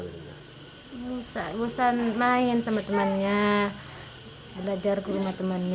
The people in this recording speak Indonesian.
terusan main sama temannya belajar ke rumah temannya